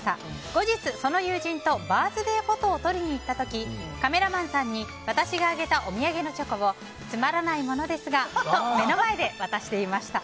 後日、その友人とバースデーフォトを撮りに行った時にカメラマンさんに私があげたお土産のチョコをつまらないものですがと目の前で渡していました。